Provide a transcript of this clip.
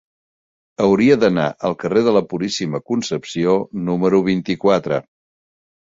Hauria d'anar al carrer de la Puríssima Concepció número vint-i-quatre.